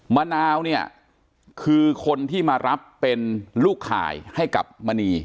มะนาวเนี่ยคือคนที่มารับเป็นลูกข่ายให้กับมณี